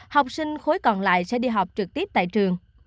học sinh khối còn lại sẽ đi học trực tiếp tại trường